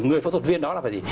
người phẫu thuật viên đó là gì